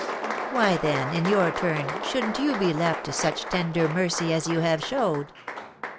Why, then, in your turn, shouldn't you be left to such tender mercy as you have showed?"